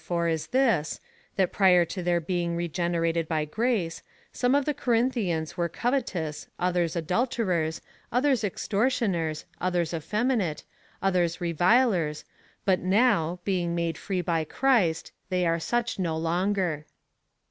211 fore, is tliis, tliat prior to their being regenerated by grace, some of the Corinthians were covetous, others adulterers, others extortioners, others effeminate, others revilers, but now, being made free by Christ, they were such no longer.